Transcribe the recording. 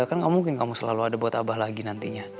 kan gak mungkin kamu selalu ada buat abah lagi nantinya